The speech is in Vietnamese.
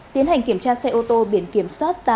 tiến hành kiểm tra xe ô tô biển kiểm soát